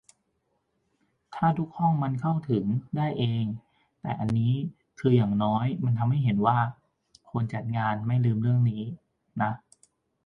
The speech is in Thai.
ถ้าทุกห้องมันเข้าถึงได้เอง แต่อันนี้คืออย่างน้อยมันทำให้เห็นว่า คนจัดงานไม่ลืมเรื่องนี้นะ